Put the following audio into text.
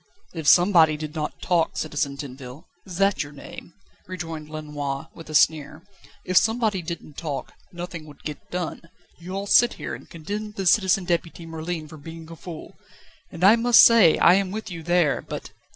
"If somebody did not talk, Citizen Tinville is that your name?" rejoined Lenoir, with a sneer "if somebody didn't talk, nothing would get done. You all sit here, and condemn the Citizen Deputy Merlin for being a fool, and I must say I am with you there, but